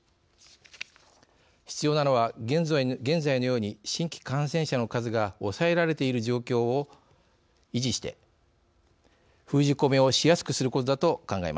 必要なのは現在のように新規感染者の数が抑えられている状況を維持して封じ込めをしやすくすることだと考えます。